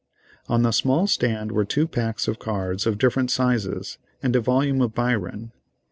On the small stand were two packs of cards of different sizes, and a volume of Byron.